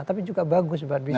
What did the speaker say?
tapi juga bagus buat bisnis